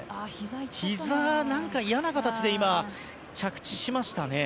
ひざ何か嫌な形で着地しましたね。